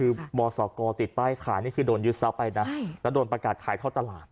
คือบศกติดป้ายขายนี่คือโดนยึดทรัพย์ไปนะแล้วโดนประกาศขายท่อตลาด